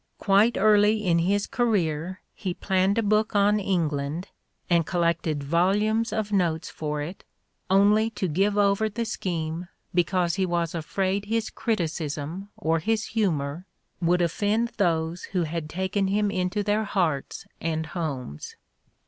Quite early in his career he planned a book on England and collected volumes of notes for Everybody's Neighbor 141 it only to give over the scheme because he was afraid his criticism or his humor would "offend those who had taken him into their hearts and homes."